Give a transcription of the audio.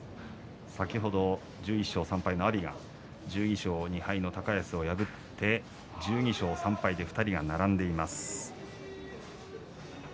先ほど１１勝３敗の阿炎が１２勝２敗の高安を破って１２勝３敗で２人が並んでいます。